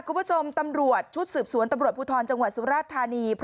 คุณผู้ชมตำรวจชุดสืบสวนตำรวจภูทรจังหวัดสุราชธานี